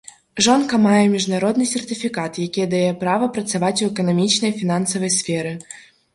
Жонка мае міжнародны сертыфікат, які дае права працаваць у эканамічнай і фінансавай сферы.